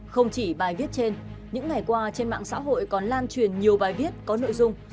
không chỉ bài viết trên những ngày qua trên mạng xã hội còn lan truyền nhiều bài viết có nội dung